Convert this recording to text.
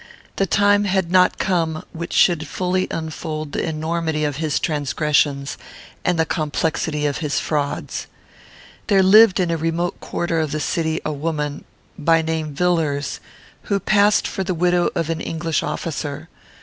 The time had not come which should fully unfold the enormity of his transgressions and the complexity of his frauds. There lived in a remote quarter of the city a woman, by name Villars, who passed for the widow of an English officer.